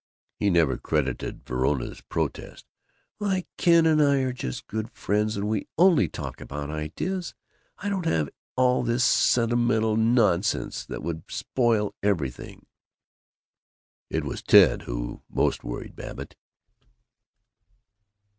He never credited Verona's protest, "Why, Ken and I are just good friends, and we only talk about Ideas. I won't have all this sentimental nonsense, that would spoil everything." It was Ted who most worried Babbitt.